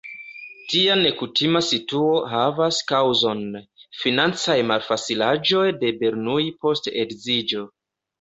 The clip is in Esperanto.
Tia nekutima situo havas kaŭzon: financaj malfacilaĵoj de Bernoulli post edziĝo.